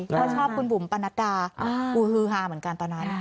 เพราะชอบคุณบุ๋มปะนัดดาฮือฮาเหมือนกันตอนนั้น